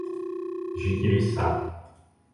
Jiquiriçá